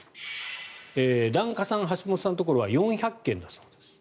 檀家さん、橋本さんのところは４００軒だそうです。